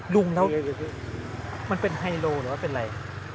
งแล้วมันเป็นไฮโลหรือว่าเป็นอะไร